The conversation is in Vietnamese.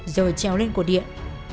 rồi treo lên cổ điện